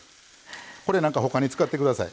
これ何か他に使ってください。